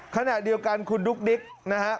ขณะเดียวกันคุณดุ๊กดิ๊กนะฮะ